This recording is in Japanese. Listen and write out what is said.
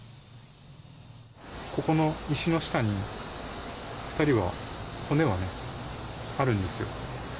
ここの石の下に、２人は、骨はね、あるんですよ。